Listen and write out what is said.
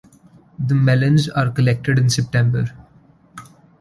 The melons are collected in September.